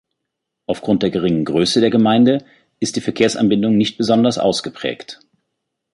Aufgrund der geringen Größe der Gemeinde ist die Verkehrsanbindung nicht besonders ausgeprägt.